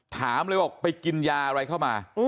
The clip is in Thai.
ถามเลยบอกไปกินยาอะไรเข้ามา